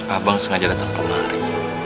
abang sengaja datang kemarin